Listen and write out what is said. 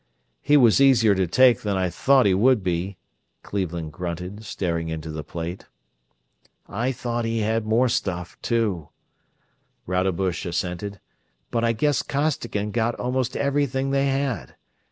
"He was easier to take than I thought he would be," Cleveland grunted, staring into the plate. "I thought he had more stuff, too," Rodebush assented; "but I guess Costigan got almost everything they had.